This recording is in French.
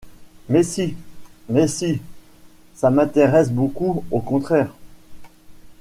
Mais si, mais si, ça m’intéresse beaucoup, au contraire.